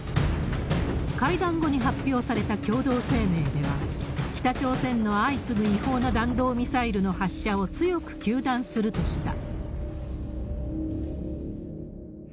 会談後に発表された共同声明では、北朝鮮の相次ぐ違法な弾道ミサイルの発射を強く糾弾するとした。